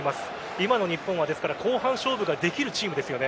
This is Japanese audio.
今の日本は後半勝負ができるチームですよね。